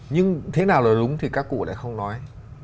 nhưng thế nào là đúng thì các cụ lại không nói